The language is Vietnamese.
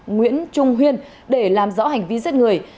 nguyễn trung huyên để làm rõ hành vi giết người